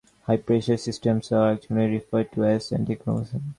High-pressure systems are alternatively referred to as anticyclones.